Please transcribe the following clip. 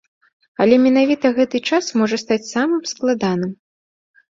Але менавіта гэты час можа стаць самым складаным.